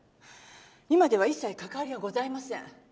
今では一切かかわりはございません。